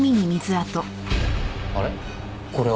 あれ？